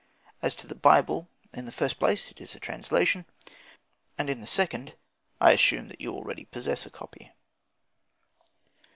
As to the Bible, in the first place it is a translation, and in the second I assume that you already possess a copy.